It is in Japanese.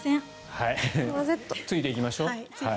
ついていきましょう。